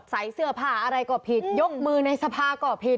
จ้องไปหมดใส่เสื้อผ้าอะไรก็ผิดยกมือในสภาก็ผิด